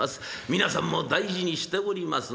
皆さんも大事にしております